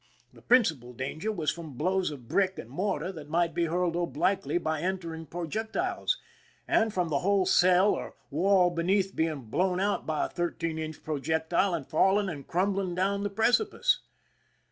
The principal danger was from blows of brick and mortar which might be hurled obliquely by entering projectiles, and from the whole cell or wall beneath being blown out by a thirteen inch projectile and falling and crumbling down the precipice.